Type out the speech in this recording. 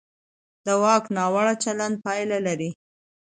د واک ناوړه چلند پایله لري